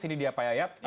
ini dia pak yayat